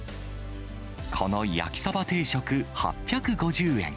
この焼きサバ定食８５０円。